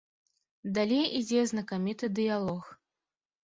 Далей ідзе знакаміты дыялог.